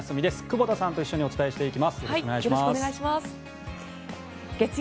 久保田さんと一緒にお伝えしていきます。